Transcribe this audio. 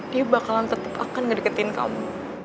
dia bakalan tetep akan ngedeketin kamu